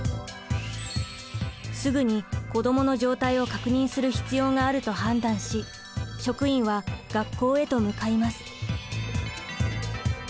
すぐに子どもの状態を確認する必要があると判断し職員は学校へと向かいます。